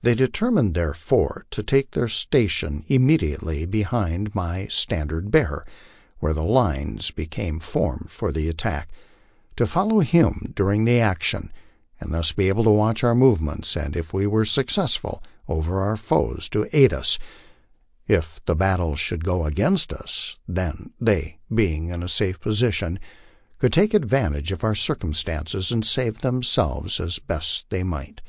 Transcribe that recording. They determined therefore to take their station immediately behind niy stand ard bearer when the lines became formed for attack, to follow him during the action, and thus be able to watch our movements, and if we were successful over our foes to aid us ; if the battle should go against us, then they, being in a safe position, could take advantage of circumstances and save themselves as best they might.